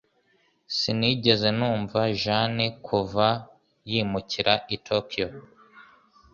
Sinigeze numva Jane kuva yimukira i Tokiyo